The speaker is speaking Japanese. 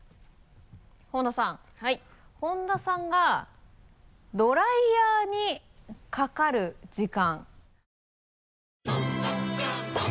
本田さんがドライヤーにかかる時間。